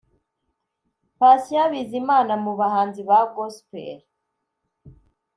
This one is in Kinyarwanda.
Patient Bizimana mu bahanzi ba Gospel